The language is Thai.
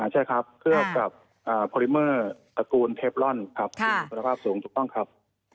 ใช่ครับเพื่อกับพอลิเมอร์ตระกูลเทปลอนครับคุณภาพสูงถูกต้องครับ